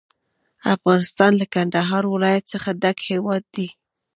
افغانستان له کندهار ولایت څخه ډک هیواد دی.